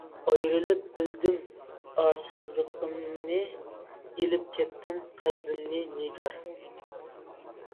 ئايرىلىپ بىلدىم ئاشىقلىقىمنى، ئېلىپ كەتتىڭ قەلبىمنى نىگار.